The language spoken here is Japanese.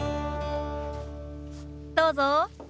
どうぞ。